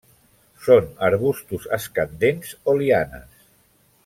Són arbustos escandents o lianes.